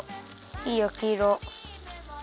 いいやきいろ。